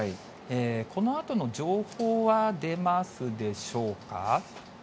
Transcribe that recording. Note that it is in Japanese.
このあとの情報は出ますでしょうか。